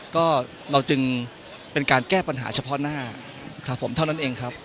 ก็เราจึงเป็นการแก้ปัญหาเฉพาะหน้าครับผมเท่านั้นเองครับ